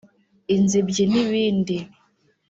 inzibyi n’ibindi